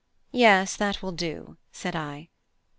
'" "Yes, that will do," said I.